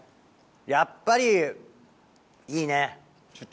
やっぱりいいね出張